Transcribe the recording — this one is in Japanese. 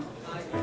はい。